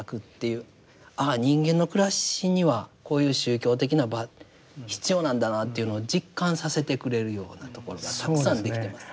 ああ人間の暮らしにはこういう宗教的な場必要なんだなっていうのを実感させてくれるようなところがたくさんできています。